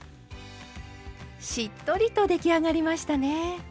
しっとりと出来上がりましたね。